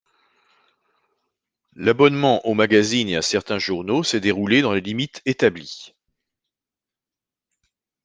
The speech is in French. L'abonnement aux magazines et à certains journaux s'est déroulé dans les limites établies.